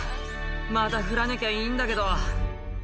「また降らなきゃいいんだけど」